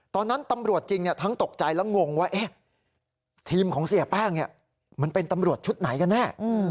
ตอนนั้นตำรวจจริงทั้งตกใจและงงว่าทีมของเสียแป้งมันเป็นตำรวจชุดไหนกันแน่